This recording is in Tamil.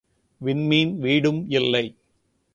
விண்மீன் வீடும் இல்லை.